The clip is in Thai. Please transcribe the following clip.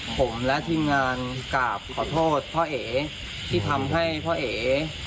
ผมและทีมงานกราบขอโทษพ่อเอ๋ที่ทำให้พ่อเอ๋